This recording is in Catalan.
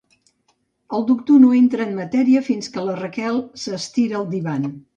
El doctor no entra en matèria fins que la Raquel s'estira al divan.